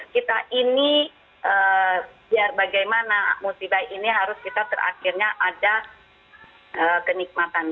kita ini biar bagaimana musibah ini harus kita terakhirnya ada kenikmatan